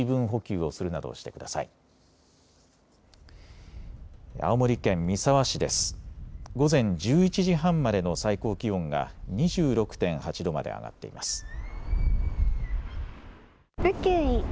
午前１１時半までの最高気温が２６．８度まで上がっています。